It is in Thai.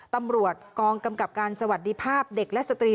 ตำรวจกองกำกับการสวัสดีภาพเด็กและสตรี